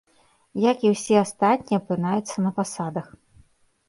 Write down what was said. Як і ўсе астатнія апынаюцца на пасадах.